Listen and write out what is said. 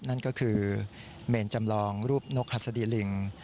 นั่นก็คือเมนจำลองรูปนกหัสดีลิง